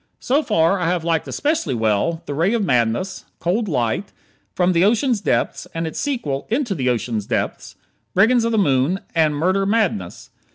So far I have liked especially well "The Ray of Madness," "Cold Light," "From the Ocean Depths" and its sequel "Into the Ocean's Depths," "Brigands of the Moon," and "Murder Madness."